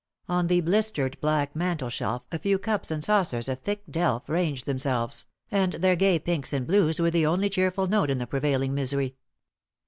On the blistered black mantelshelf a few cups and saucers of thick delf ranged themselves, and their gay pinks and blues were the only cheerful note in the prevailing misery.